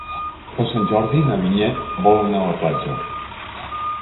Per Sant Jordi na Vinyet vol anar a la platja.